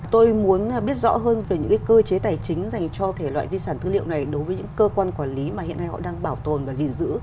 tôi muốn biết rõ hơn về những cơ chế tài chính dành cho thể loại di sản tư liệu này đối với những cơ quan quản lý mà hiện nay họ đang bảo tồn và gìn giữ